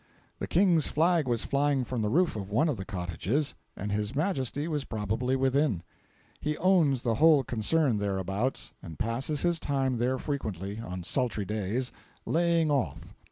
The King's flag was flying from the roof of one of the cottages, and His Majesty was probably within. He owns the whole concern thereabouts, and passes his time there frequently, on sultry days "laying off."